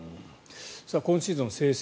今シーズンの成績